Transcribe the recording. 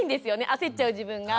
焦っちゃう自分が。